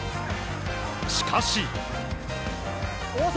しかし。